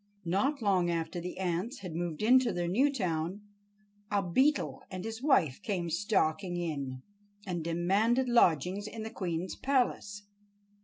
Not long after the ants had moved into their new town, a beetle and his wife came stalking in, and demanded lodgings in the queen's palace.